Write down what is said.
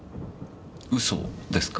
嘘ですか？